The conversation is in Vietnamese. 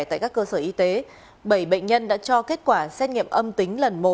tại các cơ sở y tế bảy bệnh nhân đã cho kết quả xét nghiệm âm tính lần một